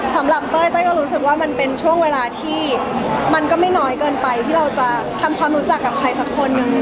เต้ยเต้ยก็รู้สึกว่ามันเป็นช่วงเวลาที่มันก็ไม่น้อยเกินไปที่เราจะทำความรู้จักกับใครสักคนนึง